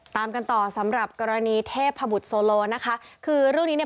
ตามกันต่อสำหรับกรณีเทพบุตรโซโลนะคะคือเรื่องนี้เนี่ย